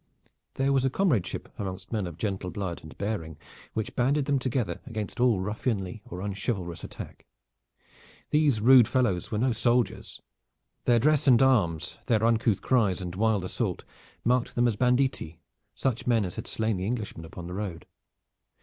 There was a comradeship among men of gentle blood and bearing which banded them together against all ruffianly or unchivalrous attack. These rude fellows were no soldiers. Their dress and arms, their uncouth cries and wild assault, marked them as banditti such men as had slain the Englishman upon the road.